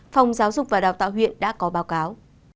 phòng giáo dục và đào tạo huyện đã có báo cáo